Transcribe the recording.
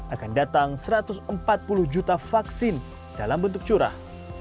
akan datang satu ratus empat puluh juta vaksin dalam bentuk curah